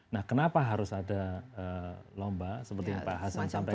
nah kenapa harus ada lomba seperti yang pak hasan sampaikan